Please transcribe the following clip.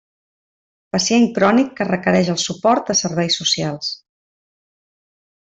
Pacient crònic que requereix el suport de serveis socials.